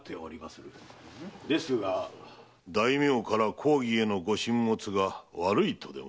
大名から公儀へのご進物が悪いとでも？